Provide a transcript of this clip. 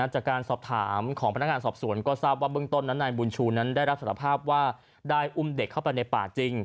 จากการสอบถามของพนักงานสอบสวนก็ทราบว่าเบื้องต้นนั้นนายบุญชูนั้นได้รับสารภาพว่าได้อุ้มเด็กเข้าไปในป่าจริง